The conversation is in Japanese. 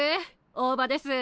大葉です。